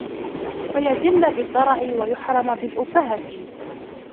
فَيَذِلَّ بِالضَّرَعِ وَيُحْرَمَ بِالْأُبَّهَةِ